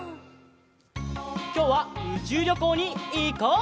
きょうはうちゅうりょこうにいこう！